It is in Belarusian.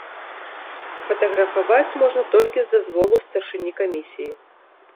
Фатаграфаваць можна толькі з дазволу старшыні камісіі.